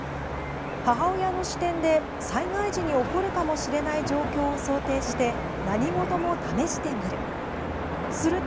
母親の視点で災害時に起こるかもしれない状況を想定して何事も試してみる。